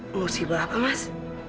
musibah apa mas